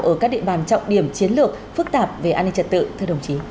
ở các địa bàn trọng điểm chiến lược phức tạp về an ninh trật tự